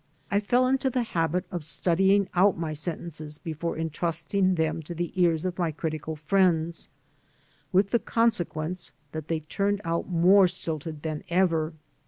I fell into the habit of studying out my sentences before intrusting them to the ears of my critical friends, with the conse quence that they turned out more stilted than ever.